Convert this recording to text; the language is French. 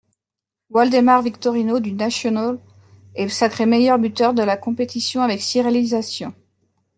Waldemar Victorino du Nacional est sacré meilleur buteur de la compétition avec six réalisations.